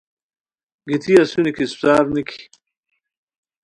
گیتی اسونی کی اسپڅار نیکی